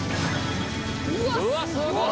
うわすごい！